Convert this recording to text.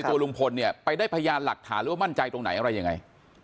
ตัวลุงพลเนี่ยไปได้พยานหลักฐานหรือว่ามั่นใจตรงไหนอะไรยังไง